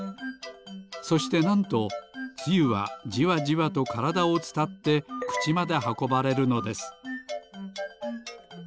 そしてなんとつゆはじわじわとからだをつたってくちまではこばれるのです。